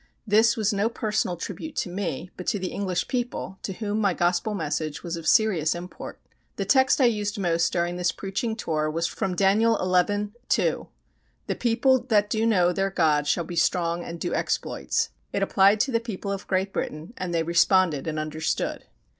This was no personal tribute to me, but to the English people, to whom my Gospel message was of serious import. The text I used most during this preaching tour was from Daniel xi. 2: "The people that do know their God shall be strong and do exploits." It applied to the people of Great Britain and they responded and understood.